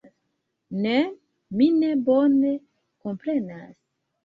Ne, mi ne bone komprenas.